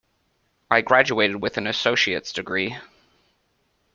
I graduated with an associate degree.